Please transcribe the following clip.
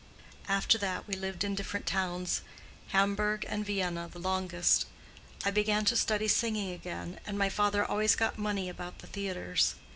"After that we lived in different towns—Hamburg and Vienna, the longest. I began to study singing again: and my father always got money about the theatres.